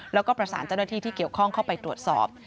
แล้วก็ประสานเจ้าหน้าที่ที่เกี่ยวข้องเข้าไปตรวจสอบ